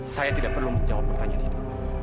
saya tidak perlu menjawab pertanyaan itu